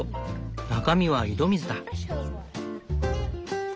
中身は井戸水だ。